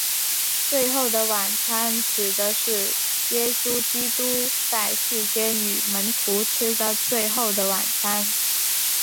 最后的晚餐指的是耶稣基督在世间与门徒吃的最后的晚餐。